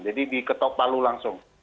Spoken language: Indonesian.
jadi diketok balu langsung